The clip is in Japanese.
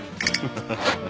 ハハハハ。